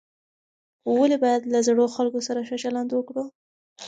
ولې باید له زړو خلکو سره ښه چلند وکړو؟